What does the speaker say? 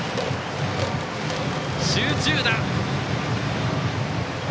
集中打！